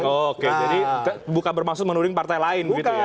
jadi bukan bermaksud menuding partai lain begitu ya